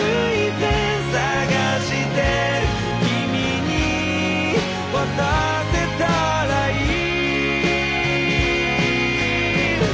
「君に渡せたらいい」